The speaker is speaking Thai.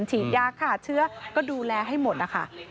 ฉีดยาฆ่าเชื้อก็ดูแลให้หมดนะคะ